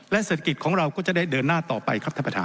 และเศรษฐกิจของเราก็จะเดินหน้าต่อไป